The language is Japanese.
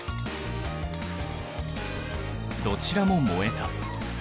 どちらも燃えた。